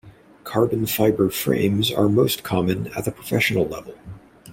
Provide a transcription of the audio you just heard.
Carbon fiber frames are most common at the professional level.